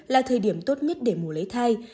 là thời điểm tốt nhất để mùa lấy thai